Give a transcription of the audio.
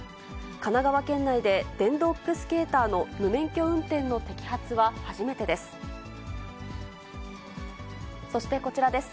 神奈川県内で電動キックスケーターの無免許運転の摘発は初めてです。